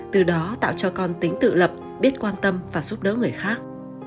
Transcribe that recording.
từ đó tạo cho con tính tự lập biết quan tâm và giúp đỡ người khác